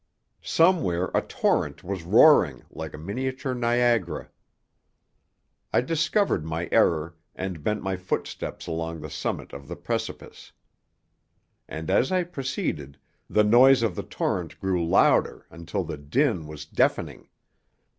Somewhere a torrent was roaring like a miniature Niagara. I discovered my error and bent my footsteps along the summit of the precipice, and as I proceeded the noise of the torrent grew louder until the din was deafening.